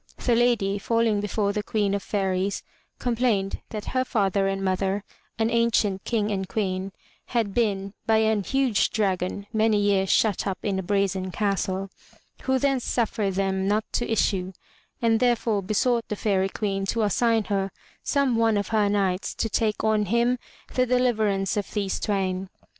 The Lady, falling before the Queen of Faeries, complained that her father and mother, an ancient King and Queen, had been by an huge dragon many years shut up in a brazen castle, who thence suffered them not to issue; and therefore besought the Faery Queen to assign her some one of her knights to take on him the deliverance of these twain.